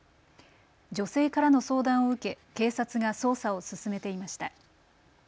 女性からの相談を受け警察が捜査を進めていました。